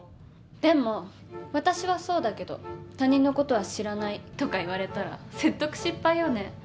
でも「私はそうだけど他人の事は知らない」とか言われたら説得失敗よね。